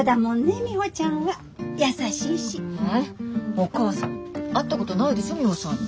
お母さん会ったことないでしょミホさんに。